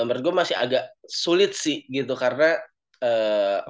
menurut gue masih agak sulit sih gitu karena